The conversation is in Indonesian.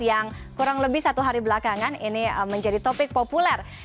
yang kurang lebih satu hari belakangan ini menjadi topik populer